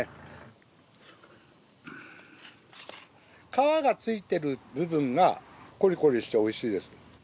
皮がついてる部分がコリコリしておいしいです。